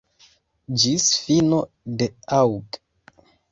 Ĝis fino de aŭg.